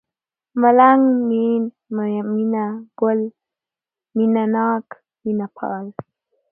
ملنگ ، مين ، مينه گل ، مينه ناک ، مينه پال